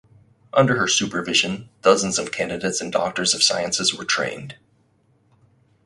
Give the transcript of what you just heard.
Under her supervision dozens of candidates and doctors of sciences were trained.